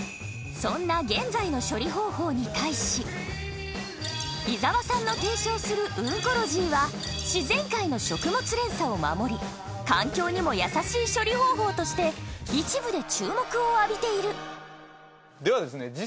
そんな現在の伊沢さんの提唱するウンコロジーは自然界の食物連鎖を守り環境にも優しい処理方法として一部で注目を浴びているではですね